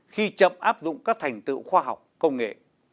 khi chậm áp dụng các thành tựu khoa học công nghệ